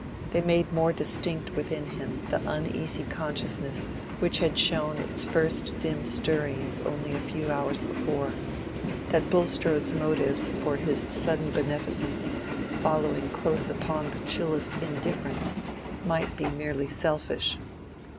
They made more distinct within him the uneasy consciousness which had shown its first dim stirrings only a few hours before, that Bulstrode's motives for his sudden beneficence following close upon the chillest indifference might be merely selfish.